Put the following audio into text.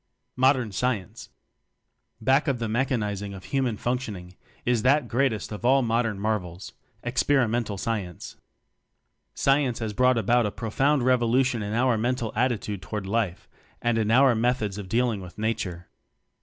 Modern Science. Back of the mechanizing of human functioning is that greatest of all mod ern marvels experimental science. Science has brought about a pro found revolution in our mental atti tude toward life, and in our methods of dealing with nature.